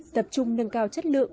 tập trung nâng cao chất lượng